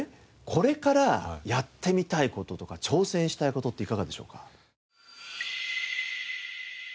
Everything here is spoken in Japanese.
これからやってみたい事とか挑戦したい事っていかがでしょうか？